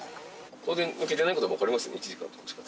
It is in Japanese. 当然、抜けてないことは分かりますよね？